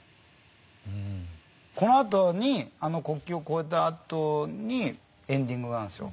このあとにあの国境を越えたあとにエンディングがあるんすよ。